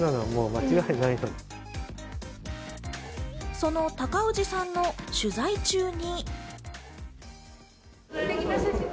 その高氏さんの取材中に。